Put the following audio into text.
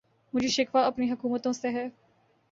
مجھے شکوہ اپنی حکومتوں سے ہے